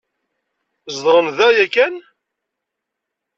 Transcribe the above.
Zedɣen da yakan?